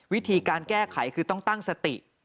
วิธีการแก้ไขคือต้องตั้งสติ